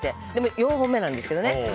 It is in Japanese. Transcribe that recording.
４本目なんですけどね。